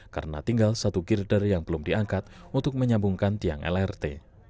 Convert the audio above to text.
karena tinggal satu girder yang belum diangkat untuk menyambungkan tiang lrt